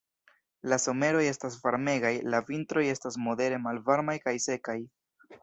La someroj estas varmegaj, la vintroj estas modere malvarmaj kaj sekaj.